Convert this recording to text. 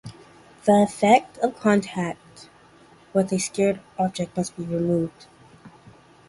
The effect of contact with a sacred object must be removed.